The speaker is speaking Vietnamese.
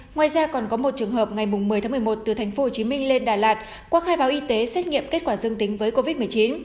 ngoài ra còn có một trường hợp ngày một mươi tháng một mươi một từ tp hcm lên đà lạt qua khai báo y tế xét nghiệm kết quả dương tính với covid một mươi chín